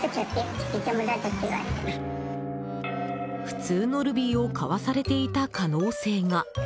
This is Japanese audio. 普通のルビーを買わされていた可能性が。